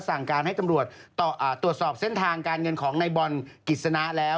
สั่งการให้ตำรวจตรวจสอบเส้นทางการเงินของในบอลกิจสนะแล้ว